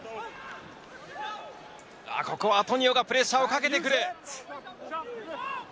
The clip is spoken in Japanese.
ここはアトニオがプレッシャーをかけてくる。